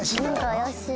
怪しい。